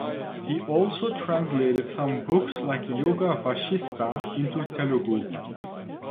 He also translated some books like Yoga Vasistha into Telugu.